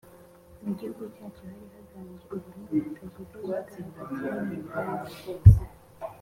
mu gihugu cyacu, hari haganje ubumwe butajegajega hagati y'Abanyarwanda: